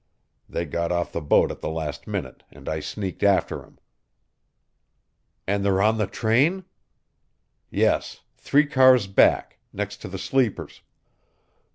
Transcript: They got off the boat at the last minute, and I sneaked after 'em." "And they're on the train?" "Yes, three cars back, next to the sleepers.